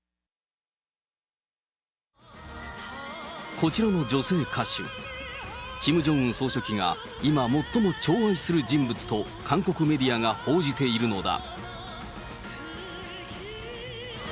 こちらの女性歌手、キム・ジョンウン総書記が今最も寵愛する人物と、韓国メディアが報じているのだ。